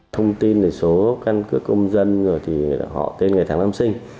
thông tin về số căn cước công dân họ tên ngày tháng năm sinh